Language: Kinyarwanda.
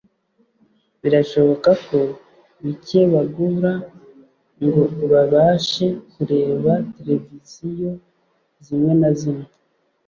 Birashoboka ko bike bagura ngo babashe kureba televiziyo zimwe na zimwe